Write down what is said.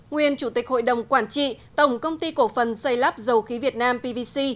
nguyên chủ tịch hội đồng quản trị tổng công ty cổ phần xây lắp dầu khí việt nam pvc